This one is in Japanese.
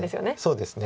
そうですね。